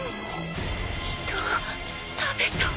人を食べた。